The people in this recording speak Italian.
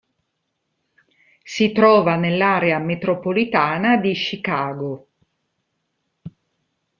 Si trova nell'area metropolitana di Chicago.